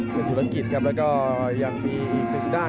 ส่วนธุรกิจครับแล้วก็ยังมีอีกหนึ่งด้าน